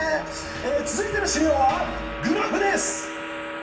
続いての資料はグラフです！